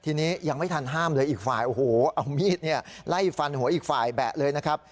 ทีนี้ยังไม่ทันห้ามเลยอีกฝ่ายโอ้โหเอามีดไล่ฟันหัวอีกฝ่ายแบะเลยนะครับ